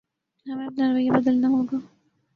ہمیں اپنا رویہ بدلنا ہوگا